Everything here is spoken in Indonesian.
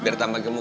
biar tambah gemuk